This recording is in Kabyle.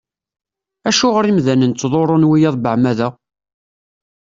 Acuɣer imdanen ttḍurrun wiyaḍ beεmada?